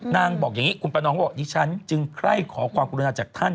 บอกอย่างนี้คุณประนองก็บอกดิฉันจึงใครขอความกรุณาจากท่าน